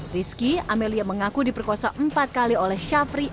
rizki amelia mengaku diperkosa empat kali oleh syafri adnan